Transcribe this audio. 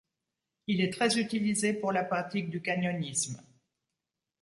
Il est très utilisé pour la pratique du canyonisme.